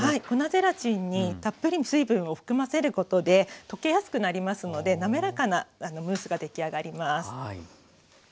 粉ゼラチンにたっぷりの水分を含ませることで溶けやすくなりますのでなめらかなムースが出来上がります。